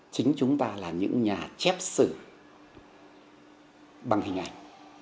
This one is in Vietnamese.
chính chúng ta là những nhà chép sử bằng hình ảnh